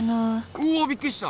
おおびっくりした！